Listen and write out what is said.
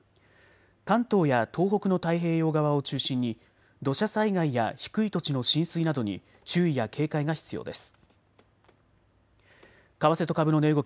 関東や東北の太平洋側を中心に土砂災害や低い土地の浸水などに注意や警戒が必要です。